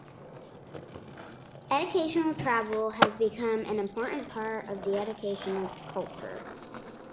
Educational travel has become an important part of the educational culture.